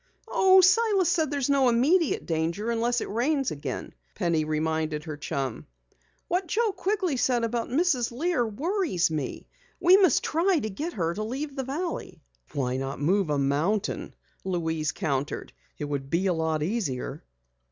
"Oh, Silas said there was no immediate danger unless it rains again," Penny reminded her chum. "What Joe Quigley said about Mrs. Lear worries me. We must try to get her to leave the valley." "Why not move a mountain?" Louise countered. "It would be a lot easier."